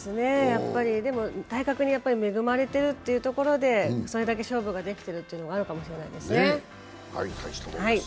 でも体格に恵まれてるってところでそれだけ勝負ができてるというのがあるかもしれないですね。